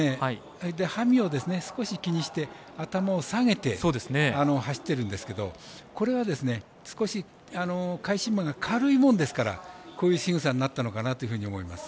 馬銜を少し気にして、頭を下げて走ってるんですけどこれは少し返し馬が軽いもんですからこういうしぐさになったのかなというふうに思います。